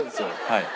はい。